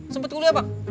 sempet kuliah bang